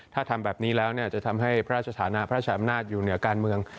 ถ้าทำแบบนี้แล้วจะทำให้พระราชธรรมนาศอยู่เหนือการเมือง